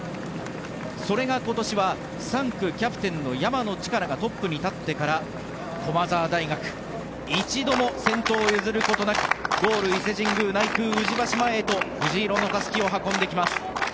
それが今年は３区キャプテンの山野力がトップに立ってから駒澤大学一度も先頭を譲ることなくゴール伊勢神宮内宮宇治橋前へと藤色のたすきを運んできます。